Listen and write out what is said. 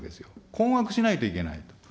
困惑しないといけないと。